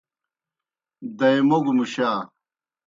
دائے موگوْ مُشا۔